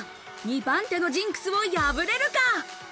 ２番手のジンクスを破れるか？